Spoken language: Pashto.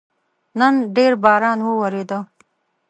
نن ډېر باران وورېده